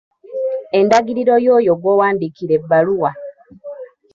Endagiriro y'oyo gw'owandiikira ebbaluwa.